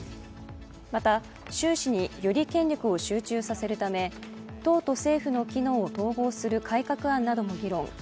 また、習氏により権力を集中させるため党と政府の機能を統合する改革案なども議論。